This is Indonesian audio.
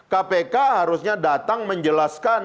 kpk harusnya datang menjelaskan